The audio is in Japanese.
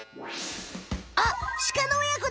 あっシカの親子だ！